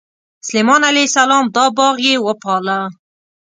سلیمان علیه السلام دا باغ یې وپاله.